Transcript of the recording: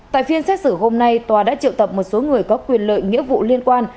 tại phiên xét xử hôm nay tòa đã triệu tập một số người có quyền lợi nghĩa vụ liên quan